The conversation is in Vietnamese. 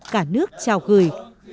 cả nước chào cười